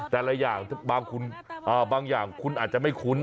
แต่ละอย่างบางอย่างคุณอาจจะไม่คุ้น